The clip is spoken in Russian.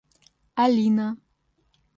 Алина